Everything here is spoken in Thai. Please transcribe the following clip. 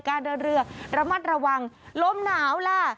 การเดินเรือระมัดระวังลมหนาวล่ะ